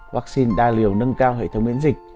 vaccine đa liều nâng cao hệ thống miễn dịch